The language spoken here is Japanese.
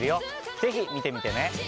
ぜひ見てみてね。